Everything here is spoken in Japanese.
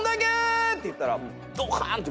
て言ったら。